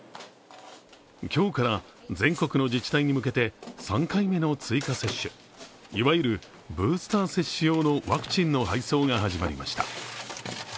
今日から全国の自治体に向けて３回目の追加接種いわゆるブースター接種用のワクチンの配送が始まりました。